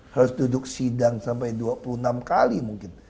harus duduk sidang sampai dua puluh enam kali mungkin